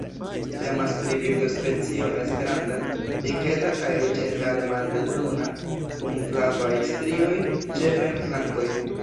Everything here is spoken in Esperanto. Temas pri birdospecio mezgranda, diketa kaj ĝenerale malhelbruna kun flavaj strioj ĉefe en flankoj.